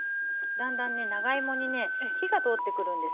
だんだんね長芋に火が通ってくるんですね。